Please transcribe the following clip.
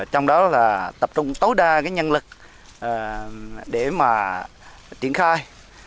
trong đó là tập trung tối đa cái nhân lực để mà triển khai